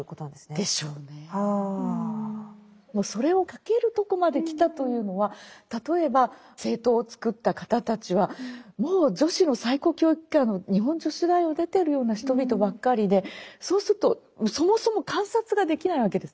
でもそれを書けるところまで来たというのは例えば「青鞜」を作った方たちはもう女子の最高教育機関の日本女子大を出てるような人々ばっかりでそうするとそもそも観察ができないわけです。